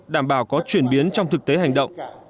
đảm bảo có chuyển biến trong thực tế hành động